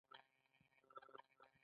بوتل کله کله د پیغام لېږلو لپاره کارېږي.